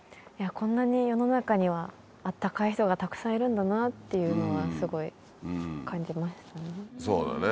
こんなに世の中には温かい人がたくさんいるんだなっていうのはすごい感じましたね。